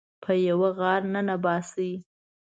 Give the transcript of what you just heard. په یوه غار ننه باسي